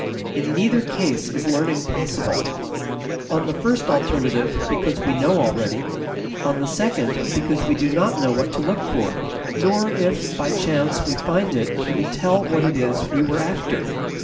In neither case is learning possible; on the first alternative because we know already; on the second, because we do not know what to look for, nor if, by chance, we find it can we tell that it is what we were after.